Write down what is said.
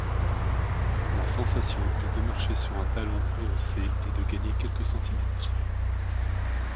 La sensation est de marcher sur un talon rehaussé et de gagner quelques centimètres.